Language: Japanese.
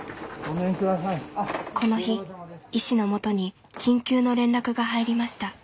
この日医師のもとに緊急の連絡が入りました。